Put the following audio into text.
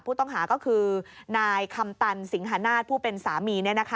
ผู้ต้องหาก็คือนายคำตันสิงหานาฏผู้เป็นสามี